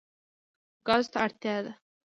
ګازو ته اړتیا ده.